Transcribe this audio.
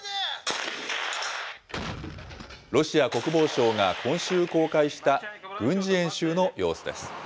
ロシア国防省が今週公開した、軍事演習の様子です。